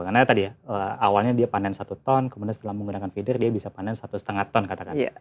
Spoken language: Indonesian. karena tadi ya awalnya dia panen satu ton kemudian setelah menggunakan feeder dia bisa panen satu lima ton katakan